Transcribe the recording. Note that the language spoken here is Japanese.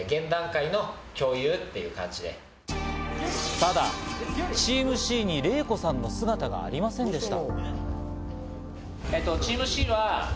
ただチームＣにレイコさんの姿がありませんでした。